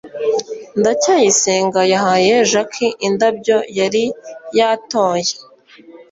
ndacyayisenga yahaye jaki indabyo yari yatoye